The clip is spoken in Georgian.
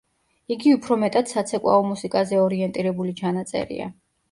იგი უფრო მეტად საცეკვაო მუსიკაზე ორიენტირებული ჩანაწერია.